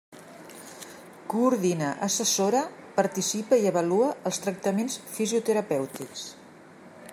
Coordina, assessora, participa i avalua els tractaments fisioterapèutics.